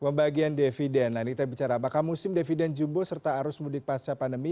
pembagian dividen nah ini kita bicara apakah musim dividen jumbo serta arus mudik pasca pandemi